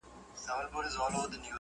او پنبه یې و شنل سي